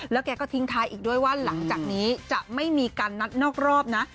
แกก็ทิ้งท้ายอีกด้วยว่าหลังจากนี้จะไม่มีการนัดนอกรอบนะ